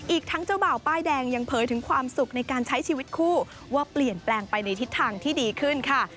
อีกทั้งเจ้าบ่าวป้ายแดงยังเผยถึงความสุขในการใช้ชีวิตคู่ว่าเปลี่ยนแปลงไปในทิศทางที่ดีขึ้นค่ะ